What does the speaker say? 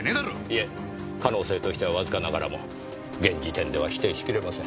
いえ可能性としてはわずかながらも現時点では否定しきれません。